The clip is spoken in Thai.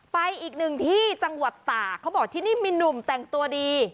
ไปอีกหนึ่งที่จังหวัดตากเขาบอกที่นี่มีหนุ่มแต่งตัวดี